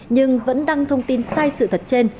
nhưng vẫn đăng thông tin sai sự thật trên